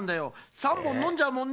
３ぼんのんじゃうもんね。